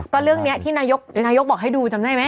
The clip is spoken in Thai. ก็เรื่องนี้ที่นายกบอกให้ดูจำได้ไหม